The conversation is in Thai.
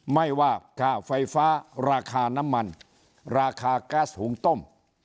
ไม่ว่าค่าไฟฟ้าราคาน้ำมันราคาก๊าซหุงต้ม